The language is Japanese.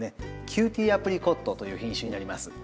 ‘キューティーアプリコット’という品種になります。